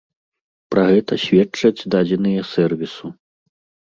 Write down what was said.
Пра гэта сведчаць дадзеныя сэрвісу.